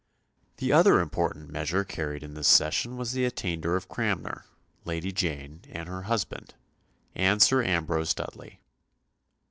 The other important measure carried in this session was the attainder of Cranmer, Lady Jane and her husband, and Sir Ambrose Dudley.